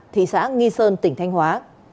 thị xã nghi sơn tỉnh thanh hóa